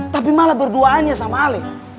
tapi malah berduaannya sama ale